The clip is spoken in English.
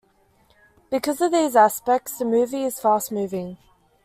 Because of these aspects, the movie is fast-moving.